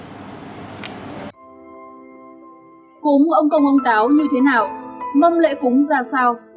cúng ông công ông táo như thế nào mông lễ cúng ra sao